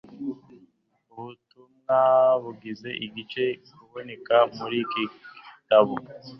Ubutumwa bugize iki gice buboneka muri iki gitabo.